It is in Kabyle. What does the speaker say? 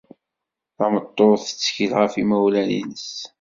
Tameṭṭut tettkel ɣef imawlan-nnes.